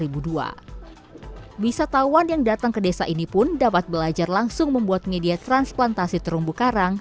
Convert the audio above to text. wisatawan yang datang ke desa ini pun dapat belajar langsung membuat media transplantasi terumbu karang